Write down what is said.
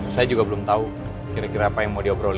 saya juga belum tahu kira kira apa yang mau diobrol